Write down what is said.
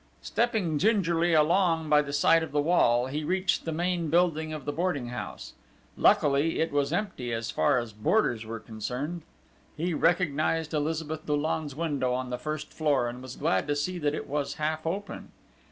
Stepping gingerly along by the side of the wall, he reached the main building of the boarding house: luckily, it was empty as far as boarders were concerned. He recognised Elizabeth Dollon's window on the first floor and was glad to see that it was half open.